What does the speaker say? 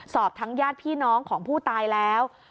สอบทั้งญาติพี่น้องของผู้ตายแล้ว